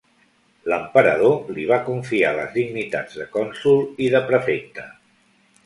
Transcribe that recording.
L'emperador li va confiar les dignitats de cònsol i de prefecte.